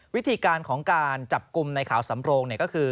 วิธีการของการจับกลุ่มในขาวสำโรงก็คือ